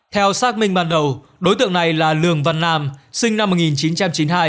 theo xác minh ban đầu đối tượng này là lường văn nam sinh năm một nghìn chín trăm chín mươi hai